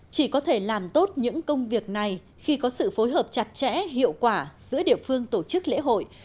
chỉ có thể làm tốt những công việc này khi có sự phối hợp chặt chẽ hiệu quả giữa địa phương tổ chức lễ hội